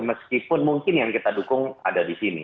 meskipun mungkin yang kita dukung ada di sini